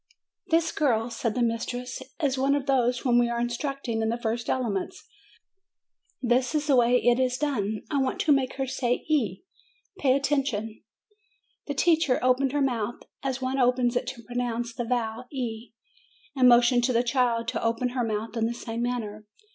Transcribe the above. "This girl," said the mistress, "is one of those whom we are instructing in the first elements. This is the way it is done. I want to make her say e. Pay attention." The teacher opened her mouth, as one opens it to pronounce the vowel e, and motioned to the child to open her mouth in the same manner.